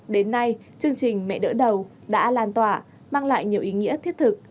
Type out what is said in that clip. đến nay chương trình mẹ đỡ đầu đã lan tỏa mang lại nhiều ý nghĩa thiết thực